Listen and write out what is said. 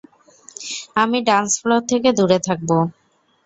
আমি dance floor থেকে দূরে থাকব।